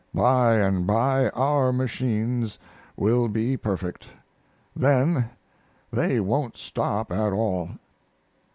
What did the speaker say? By and by our machines will be perfect; then they won't stop at all.